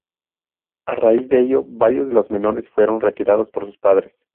A raíz de ello, varios de los menores fueron retirados por sus padres.